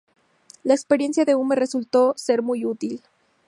La experiencia de Hume resultó ser muy útil.